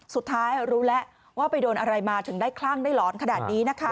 สุดท้ายรู้แล้วว่าไปโดนอะไรมาถึงได้คลั่งได้หลอนขนาดนี้นะคะ